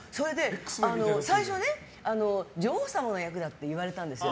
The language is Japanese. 最初ね、女王様の役だって言われたんですよ。